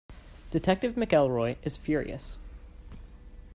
Detective McElroy is furious.